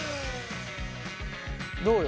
どうよ？